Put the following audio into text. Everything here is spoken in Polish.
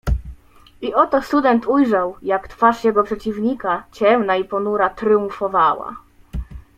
"I oto student ujrzał, jak twarz jego przeciwnika ciemna i ponura tryumfowała."